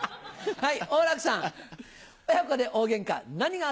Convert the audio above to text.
はい。